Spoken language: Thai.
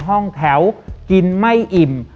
ห้องแถวกินไม่อิ่ม